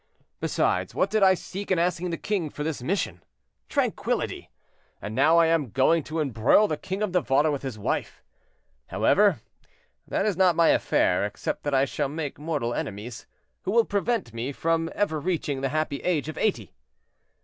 Besides, what did I seek in asking the king for this mission? Tranquillity. And now I am going to embroil the king of Navarre with his wife. However, that is not my affair, except that I shall make mortal enemies, who will prevent me from ever reaching the happy age of eighty.